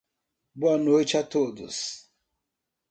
Boa noite a todos.